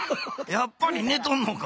やっぱりねとんのか。